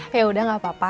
yaudah gak apa apa